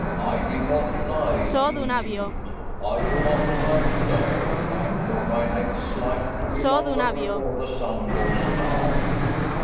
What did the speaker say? I did not deny it, indeed I do not deny it to day, therefore my neck's like to be longer before the sun goes down."